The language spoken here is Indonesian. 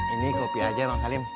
ini kopi aja bang salim